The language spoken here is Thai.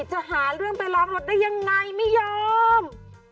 จะหาเรื่องไปล้างรถได้ยังไงไม่ยอม